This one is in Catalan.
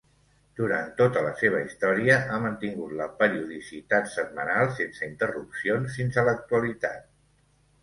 Durant tota la seva història ha mantingut la periodicitat setmanal sense interrupcions fins a l'actualitat.